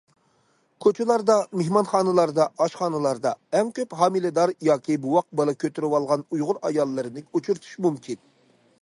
كوچىلاردا، مېھمانخانىلاردا، ئاشخانىلاردا... ئەڭ كۆپ ھامىلىدار ياكى بوۋاق بالا كۆتۈرۈۋالغان ئۇيغۇر ئاياللىرىنى ئۇچرىتىش مۇمكىن.